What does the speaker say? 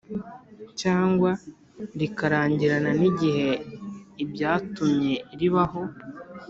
cyangwa rikarangirana n igihe ibyatumye ribaho